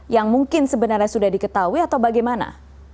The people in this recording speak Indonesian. yang mungkin sebenarnya sudah diketahui atau bagaimana